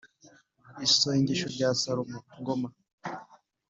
Isengesho rya Salomo ( Ngoma -)